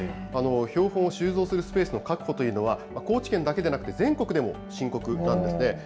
標本を収蔵するスペースの確保というのは、高知県だけでなくて、全国でも深刻なんですね。